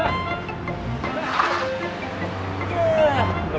dengarin saya dulu coba